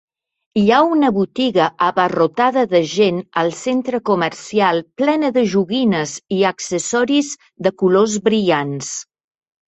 Hi ha una botiga abarrotada de gent al centre comercial plena de joguines i accessoris de colors brillants.